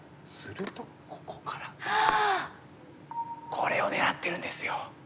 これを狙ってるんですよ